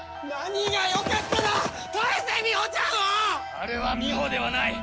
あれはみほではない！